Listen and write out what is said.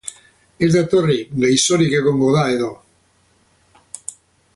Ez da etorri, gaixorik egongo da, edo.